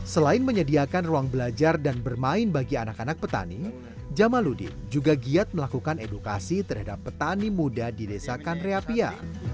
selain menyediakan ruang belajar dan bermain bagi anak anak petani jamaludin juga giat melakukan edukasi terhadap petani muda di desa kanreapia